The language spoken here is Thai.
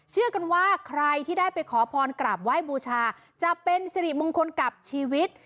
เชื่อกันว่าใครที่ได้ไปขอพรกราบไหว้บูชาจะเป็นสิริมงคลกับชีวิต